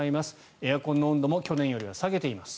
エアコンの温度も去年より下げています。